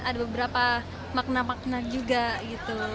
ada beberapa makna makna juga gitu